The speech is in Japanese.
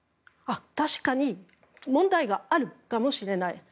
確かに問題があるかもしれない。